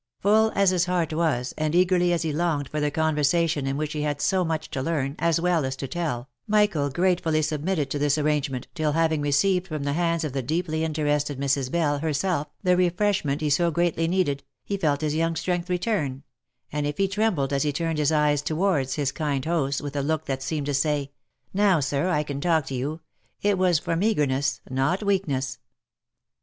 Full as his heart was, and eagerly as he longed for the conversation in which he had so much to learn, as well as to tell, Michael grate fully submitted to this arrangement, till having received from the hands of the deeply interested Mrs. Bell herself the refreshment he so greatly needed, he felt his young strength return, and if he trembled as he turned his eyes towards his kind host, with a look that seemed to say, " Now, sir, I can talk to you," it was from eager ness, not weakness.